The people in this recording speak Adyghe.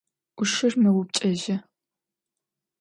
Ӏушыр мэупчӏэжьы.